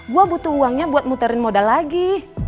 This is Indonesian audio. gue butuh uangnya buat muterin modal lagi